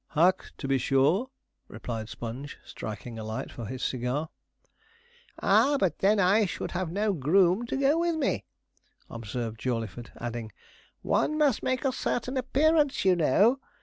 'Hack, to be sure,' replied Sponge, striking a light for his cigar. 'Ah, but then I should have no groom to go with me,' observed Jawleyford, adding, 'one must make a certain appearance, you know.